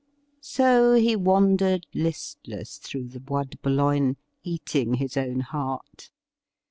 So he wandered listless through the Bois de Boulogne eating his own heart.